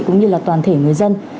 cũng như là toàn thể người dân